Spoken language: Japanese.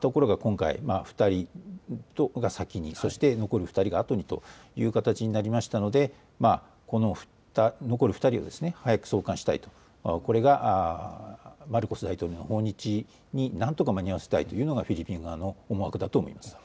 ところが今回、２人が先に、そして残る２人があとにという形になりましたので残る２人を送還したい、これがマルコス大統領の訪日に何とか間に合わせたいというのがフィリピン側の思いです。